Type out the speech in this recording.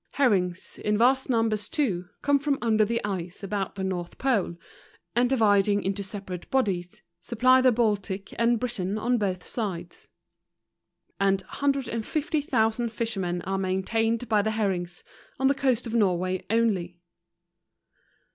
Herrings in vast numbers too come from under the ice about the North Pole ; and dividing into separate bodies, supply the Baltic and Britain on both sides. And 150,000 fisher¬ men are maintained by the herrings, on the coast of Norway only.